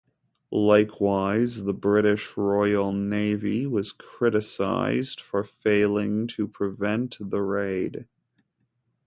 Likewise, the British Royal Navy was criticised for failing to prevent the raid.